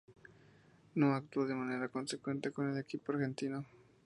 No actuó de manera consecuente con el equipo argentino.